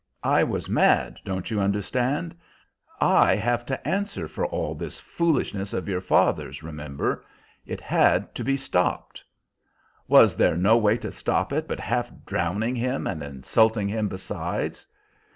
I was mad, don't you understand? I have to answer for all this foolishness of your father's, remember. It had to be stopped." "Was there no way to stop it but half drowning him, and insulting him besides?"